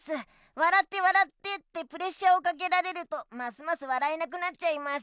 「笑って笑って！」ってプレッシャーをかけられるとますます笑えなくなっちゃいます。